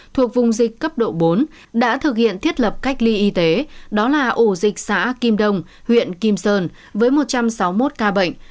thuộc vùng dịch cấp độ bốn đã thực hiện thiết lập cách ly y tế đó là ổ dịch xã kim đồng huyện kim sơn với một trăm sáu mươi một ca bệnh